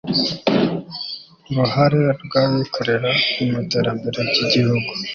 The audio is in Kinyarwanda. uruhare rw'abikorera mu iterambere ry'igihugu